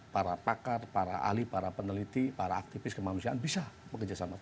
para pakar para ahli para peneliti para aktivis kemanusiaan bisa bekerjasama